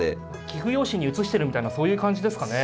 棋譜用紙に写してるみたいなそういう感じですかね。